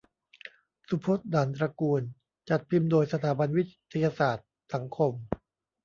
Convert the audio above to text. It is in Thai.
สุพจน์ ด่านตระกูล จัดพิมพ์โดย สถาบันวิทยาศาสตร์สังคม